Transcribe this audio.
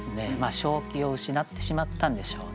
正気を失ってしまったんでしょうね。